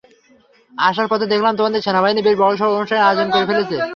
আসার পথে দেখলাম তোমাদের সেনাবাহিনী বেশ বড়সড় অনুষ্ঠানের আয়োজন করে ফেলেছে।